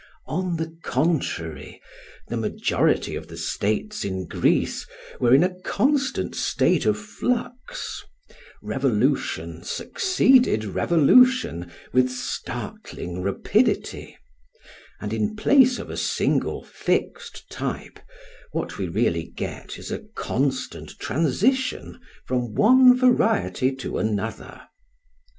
On the contrary, the majority of the states in Greece were in a constant state of flux; revolution succeeded revolution with startling rapidity; and in place of a single fixed type what we really get is a constant transition from one variety to another.